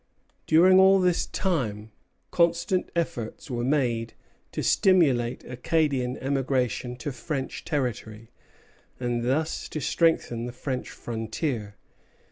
During all this time, constant efforts were made to stimulate Acadian emigration to French territory, and thus to strengthen the French frontier.